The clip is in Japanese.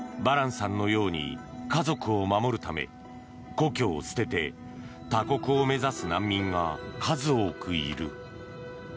バランさんのように家族を守るため故郷を捨てて他国を目指す難民が数多くいる。